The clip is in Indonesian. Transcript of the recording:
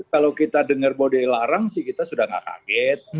kalau kita dengar bahwa dia larang sih kita sudah nggak kaget